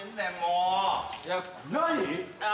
何！？